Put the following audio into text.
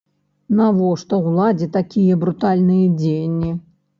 Навошта ўладзе такія брутальныя дзеянні?